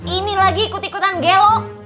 ini lagi ikut ikutan gelo